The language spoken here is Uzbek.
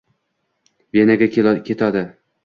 Venaga ketodi